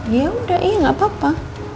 ya udah iya gak apa apa